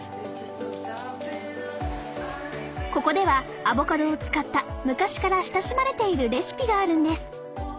ここではアボカドを使った昔から親しまれているレシピがあるんです。